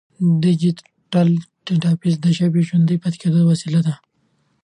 ډیجیټل ډیټابیس د ژبې د ژوندي پاتې کېدو وسیله ده.